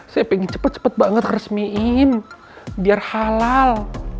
saya pengen cepet cepet banget resmiin biar halal